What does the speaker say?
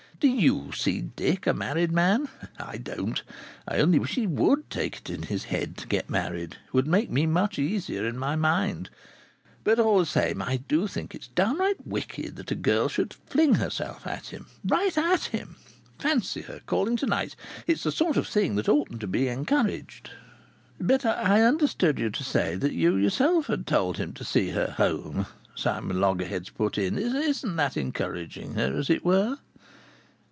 Do you see Dick a married man? I don't. I only wish he would take it into his head to get married. It would make me much easier in my mind. But all the same I do think it's downright wicked that a girl should fling herself at him, right at him. Fancy her calling to night! It's the sort of thing that oughtn't to be encouraged." "But I understood you to say that you yourself had told him to see her home," Simon Loggerheads put in. "Isn't that encouraging her, as it were?"